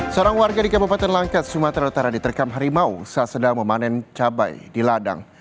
seorang warga di kabupaten langkat sumatera utara diterkam harimau saat sedang memanen cabai di ladang